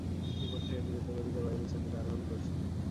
উপর থেকে দ্রুত গতিতে বায়ু নিচের দিকে আরোহণ করছে!